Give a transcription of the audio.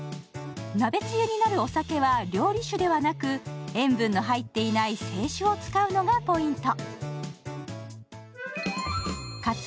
鍋つゆになるお酒は料理酒ではなく塩分の入っていない清酒を使うのがポイント。